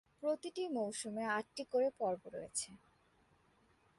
প্রতিটি মৌসুমে আটটি করে পর্ব রয়েছে।